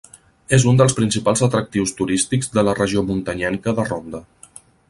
És un dels principals atractius turístics de la Regió muntanyenca de Ronda.